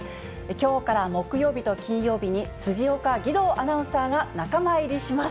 きょうから木曜日と金曜日に、辻岡義堂アナウンサーが仲間入りします。